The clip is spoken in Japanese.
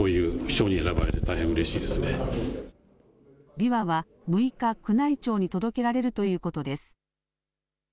びわは、６日、宮内庁に届けられるということです。